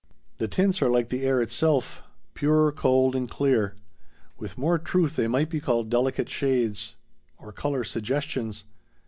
The tints are like the air itself—pure, cold, and clear. With more truth they might be called delicate shades or color suggestions.